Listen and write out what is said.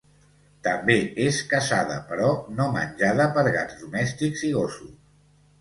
També és caçada però no menjada per gats domèstics i gossos.